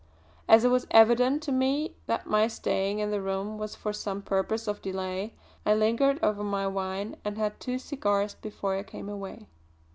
As it was evident to me that my staying in the room was for some purpose of delay, I lingered over my wine and had two cigars before I came away.